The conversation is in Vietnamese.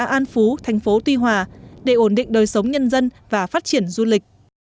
ủy ban nhân dân tỉnh phú thành phố tuy hòa để ổn định đời sống nhân dân và phát triển du lịch